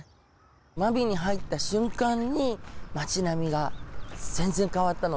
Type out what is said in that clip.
真備に入った瞬間に町並みが全然変わったので。